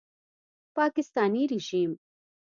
پاکستاني ریژیم